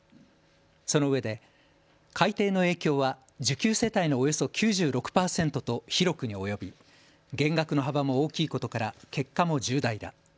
そのうえで改定の影響は受給世帯のおよそ９６％と広くに及び、減額の幅も大きいことから結果も重大だ。